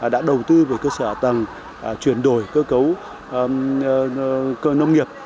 đã đầu tư với cơ sở tầng chuyển đổi cơ cấu cơ nông nghiệp